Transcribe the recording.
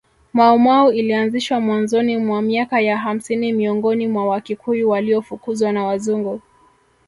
Mau Mau ilianzishwa mwanzoni mwa miaka ya hamsini miongoni mwa Wakikuyu waliofukuzwa na Wazungu